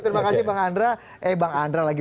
terima kasih bang andra eh bang andre lagi